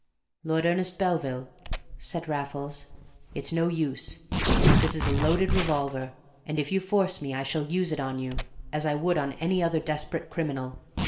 "Lord Ernest Belville," said Raffles, "it's no use. This is a loaded revolver, and if you force me I shall use it on you as I would on any other desperate criminal.